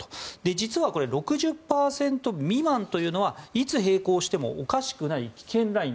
実はこれ、６０％未満というのはいつ閉校してもおかしくない危険ライン